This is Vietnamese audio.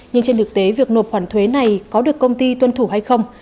nhưng trên thực tế việc nộp khoản thuế này có được công ty tuân thủ hay không